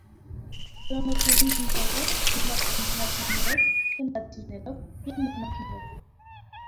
Զորանոցների զինվորները զինված էին հրացաններով, գնդացիրներով և նռնակներով։